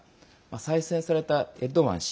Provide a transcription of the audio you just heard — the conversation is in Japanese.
再選されたエルドアン氏。